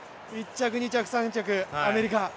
１着、２着、３着、アメリカ。